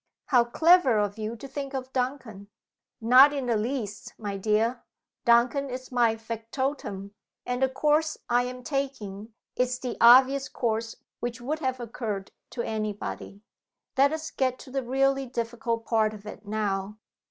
"How clever of you to think of Duncan!" "Not in the least, my dear. Duncan is my factotum; and the course I am taking is the obvious course which would have occurred to any body. Let us get to the re ally difficult part of it now.